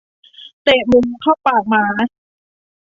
เตะหมูเข้าปากหมา